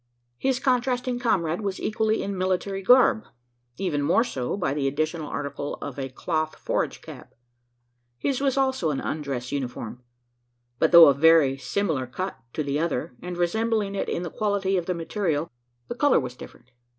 His contrasting comrade was equally in military garb even more so, by the additional article of a cloth forage cap. His was also an undress uniform; but, though of very similar cut to the other, and resembling it in the quality of the material, the colour was different.